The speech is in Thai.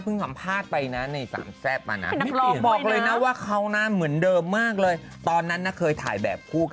เพิ่งคำภาคไปนะไนสั่งแทรฟมานะ